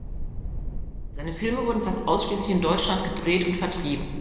Seine Filme wurden fast ausschließlich in Deutschland gedreht und vertrieben.